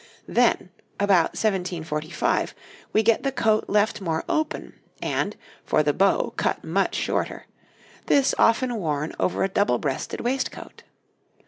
Then, about 1745, we get the coat left more open, and, for the beau, cut much shorter this often worn over a double breasted waistcoat.